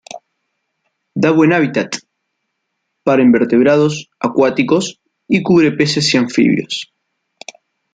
Da buen hábitat para invertebrados acuáticos y cubre peces y anfibios.